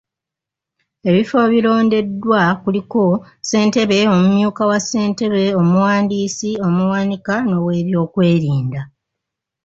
Ebifo ebirondeddwa kuliko; ssentebe, omumyuka wa ssentebe, omuwandiisi, omuwanika n’oweebyokwerinda.